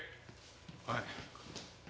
はい。